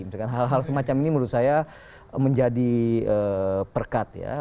dengan hal hal semacam ini menurut saya menjadi perkat ya